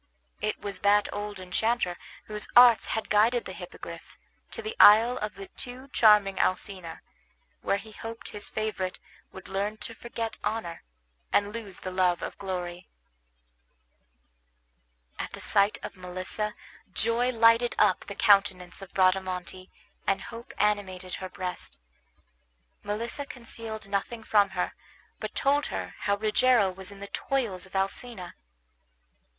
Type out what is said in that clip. It was that old enchanter whose arts had guided the Hippogriff to the isle of the too charming Alcina, where he hoped his favorite would learn to forget honor, and lose the love of glory. At the sight of Melissa joy lighted up the countenance of Bradamante, and hope animated her breast. Melissa concealed nothing from her, but told her how Rogero was in the toils of Alcina.